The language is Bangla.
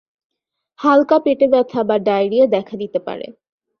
হালকা পেটে ব্যাথা বা ডায়রিয়া দেখা দিতে পারে।